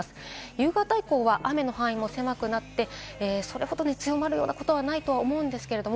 夕方以降は雨の範囲も狭くなって、それほど強まるようなことはないと思うんですけれど。